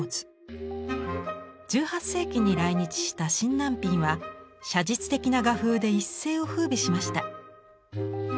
１８世紀に来日した沈南蘋は写実的な画風で一世を風靡しました。